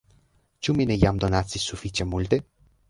Ĉu mi ne jam donacis sufiĉe multe!"